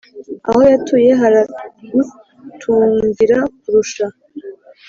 aho yatuye haragutungira kurusha.